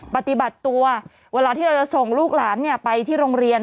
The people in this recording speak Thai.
ปฏิบัติตัวเวลาที่เราจะส่งลูกหลานไปที่โรงเรียน